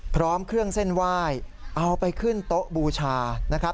พร้อมเครื่องเส้นว่ายเอาไปขึ้นโต๊ะบู่ชา